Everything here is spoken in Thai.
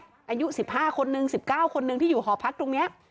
อายุ๑๕คนนึง๑๙คนนึงที่อยู่หอพักตรงนี้